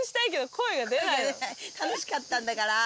楽しかったんだから。